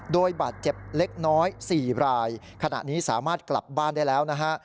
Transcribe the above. โดยบาดเจ็บเล็กน้อย๔รายขณะนี้สามารถกลับบ้านได้แล้วนะฮะ